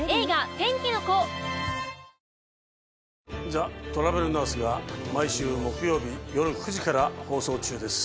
『ザ・トラベルナース』が毎週木曜日よる９時から放送中です。